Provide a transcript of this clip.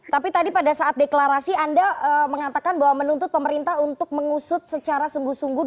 tapi tadi pada saat deklarasi anda mengatakan bahwa menuntut pemerintah untuk mengusut secara sungguh sungguh